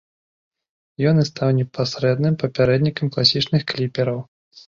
Ён і стаў непасрэдным папярэднікам класічных кліпераў.